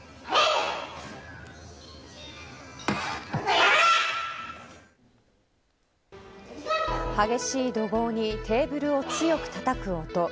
ニトリ激しい怒号にテーブルを強くたたく音。